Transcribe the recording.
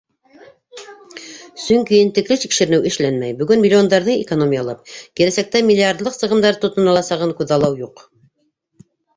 Сөнки ентекле тикшеренеү эшләнмәй, бөгөн миллиондарҙы экономиялап, киләсәктә миллиардлыҡ сығымдар тотоноласағын күҙаллау юҡ.